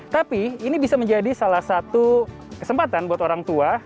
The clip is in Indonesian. tapi ini bisa menjadi salah satu kesempatan buat orang tua